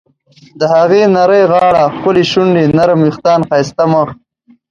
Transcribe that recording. د هغې نرۍ غاړه، ښکلې شونډې ، نرم ویښتان، ښایسته مخ..